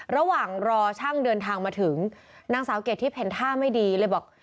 ระหว่างรอช่างเดินทางมาถึงนางสาวเกรดทิพย์เห็นท่าไม่ดีเลยบอก